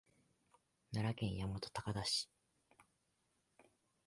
奈良県大和高田市